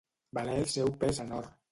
Valer el seu pes en or.